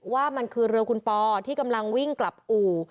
ว่ามันคือเรือคุณปอที่กำลังวิ่งกลับอู่